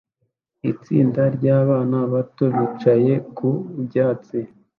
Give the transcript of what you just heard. Itsinda ryabana bato bicaye ku byatsi